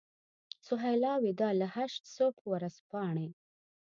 سهیلا وداع له هشت صبح ورځپاڼې.